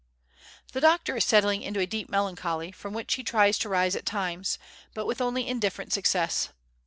The doctor is settling into a deep melancholy, from which he tries to rise at times, but with only indifferent success.